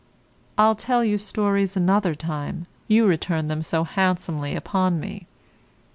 I'll tell you stories another time, you return them so handsomely upon me.